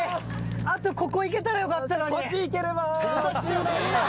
あとここいけたらよかったのに。